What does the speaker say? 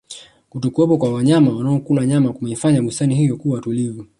kutokuwepo kwa wanyama wanaokula nyama kumeifanya bustani hiyo kuwa tulivu